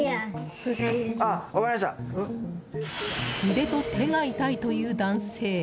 腕と手が痛いという男性。